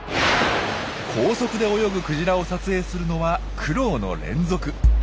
高速で泳ぐクジラを撮影するのは苦労の連続。